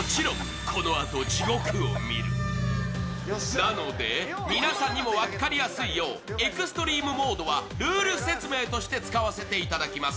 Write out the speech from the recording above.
なので皆さんにも分かりやすいようエクストリームモードはルール説明として使わせていただきます。